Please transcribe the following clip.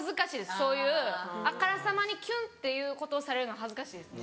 そういうあからさまにキュンっていうことをされるの恥ずかしいですね